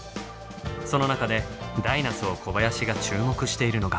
その中でダイナソー小林が注目しているのが。